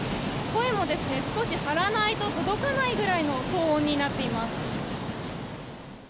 声も少し張らないと届かないぐらいの騒音になっています。